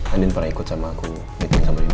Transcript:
andin pernah ikut sama aku meeting sama dia